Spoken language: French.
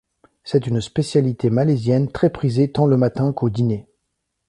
C'est une spécialité malaisienne très prisée tant le matin qu'au dîner.